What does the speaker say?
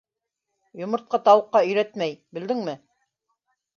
- Йомортҡа тауыҡҡа өйрәтмәй, белдеңме?